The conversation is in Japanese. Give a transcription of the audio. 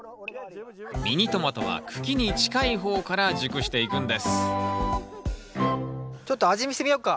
ミニトマトは茎に近い方から熟していくんですちょっと味見してみようか。